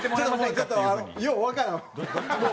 ちょっとようわからん。